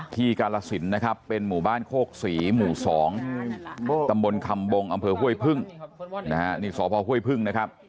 ที่กาลัสินเป็นหมู่บ้านโคกศรีหมู่๒ตำบลคำบงอห้วยพึ่งอันที่สิหาพมห้วยพึ่ง